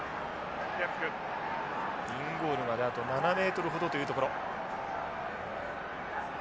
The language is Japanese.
インゴールまであと７ｍほどというところ。